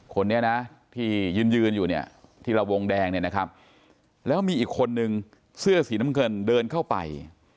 คนนี้นะที่ยืนยืนอยู่เนี่ยที่ระวงแดงเนี่ยนะครับแล้วมีอีกคนนึงเสื้อสีน้ำเงินเดินเข้าไป